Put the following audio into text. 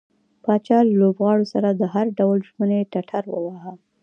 پاچا له لوبغاړو سره د هر ډول ژمنې ټټر واوهه.